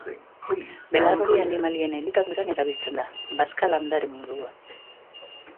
Belar hori animalien elikaduran erabiltzen da, bazka-landare moduan.